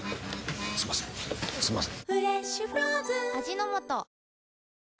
すみませんすみません。